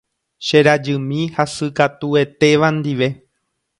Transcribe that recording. Che rajymi hasykatuetéva ndive.